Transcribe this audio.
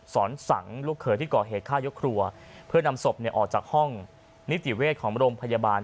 สอนสังลูกเคยที่ก่อเหตุฆ่ายกครัวเพื่อนำศพเนี่ยออกจากห้องนิติเวชของโรงพยาบาล